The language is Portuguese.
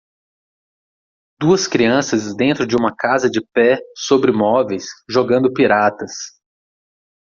Duas crianças dentro de uma casa de pé sobre móveis? jogando piratas.